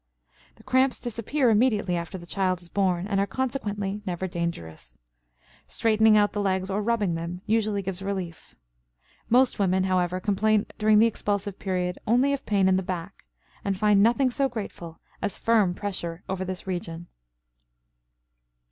The cramps disappear immediately after the child is born, and are consequently never dangerous. Straightening out the legs or rubbing them usually gives relief. Most women, however, complain during the expulsive period only of pain in the back, and find nothing so grateful as firm pressure over this region.